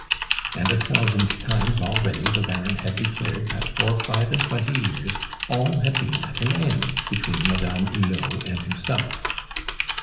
And a thousand times already the Baron had declared that for five and twenty years all had been at an end between Madame Hulot and himself.